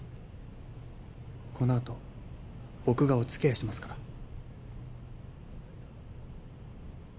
このあと僕がおつきあいしますから。